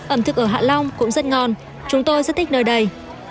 ẩm thực ở hạ long cũng rất ngon chúng tôi rất thích nơi đây